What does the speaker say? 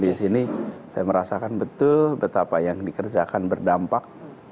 di sini saya merasakan betul betapa yang dikerjakan berdampak